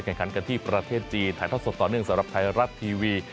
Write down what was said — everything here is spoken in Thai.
แข่งขันกันที่ประเทศจีนถ่ายทอดสดต่อเนื่องสำหรับไทยรัฐทีวี